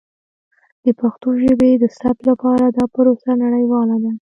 د پښتو ژبې د ثبت لپاره دا پروسه نړیواله ده.